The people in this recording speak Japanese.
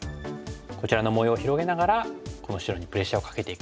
こちらの模様を広げながらこの白にプレッシャーをかけていく。